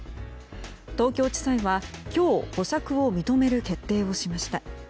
東京地裁は今日保釈を認める決定をしました。